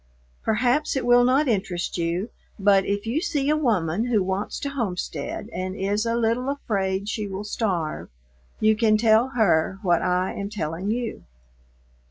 Perhaps it will not interest you, but if you see a woman who wants to homestead and is a little afraid she will starve, you can tell her what I am telling you.